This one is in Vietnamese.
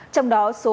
trong đó số mắc